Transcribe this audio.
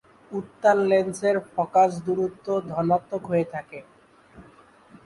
উত্তল লেন্সের ফোকাস দূরত্ব ধনাত্মক হয়ে থাকে।